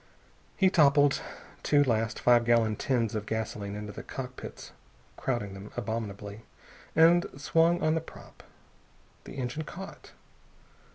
He toppled two last five gallon tins of gasoline into the cockpits crowding them abominably and swung on the prop. The engine caught.